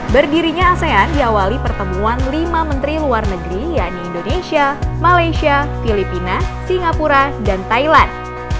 berdirinya asean diawali pertemuan lima menteri luar negeri yaitu indonesia malaysia filipina singapura dan thailand